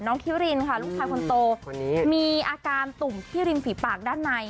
คิรินค่ะลูกชายคนโตมีอาการตุ่มที่ริมฝีปากด้านใน